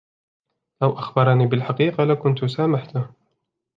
لو أخبرني بالحقيقة لكنت سامحته.